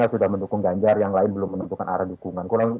sudah mendukung ganjar yang lain belum menentukan arah dukungan